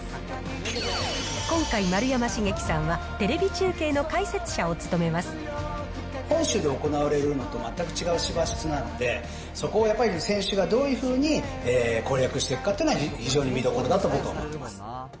今回、丸山茂樹さんは、本州で行われるのと全く違う芝質なので、そこをやっぱり選手がどういうふうに攻略していくかというのは非常に見どころだと僕は思っています。